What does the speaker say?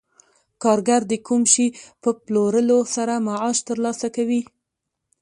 کارګر د کوم شي په پلورلو سره معاش ترلاسه کوي